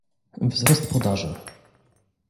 Wzrost podaży